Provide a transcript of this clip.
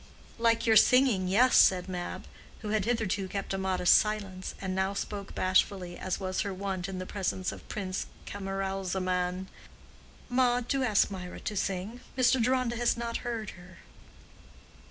"Like your singing—yes," said Mab, who had hitherto kept a modest silence, and now spoke bashfully, as was her wont in the presence of Prince Camaralzaman—"Ma, do ask Mirah to sing. Mr. Deronda has not heard her."